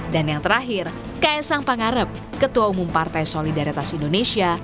dan yang terakhir ks sang pangarep ketua umum partai solidaritas indonesia